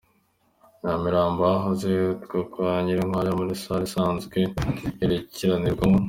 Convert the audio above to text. Nyamirambo ahahoze hitwa kwa Nyirinkwaya muri salle isanzwe yerekanirwamo.